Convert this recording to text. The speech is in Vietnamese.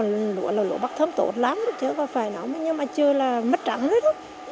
nó bắt thấm tốt lắm chứ có phải nó nhưng mà chưa là mất trắng hết